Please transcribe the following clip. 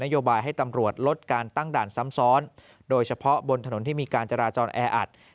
โยบายให้ตำรวจลดการตั้งด่านซ้ำซ้อนโดยเฉพาะบนถนนที่มีการจราจรแออัด